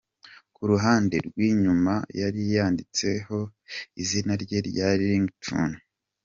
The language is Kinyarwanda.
Ku ruhande rw’inyuma yari yanditseho izina rye rya Ringtone.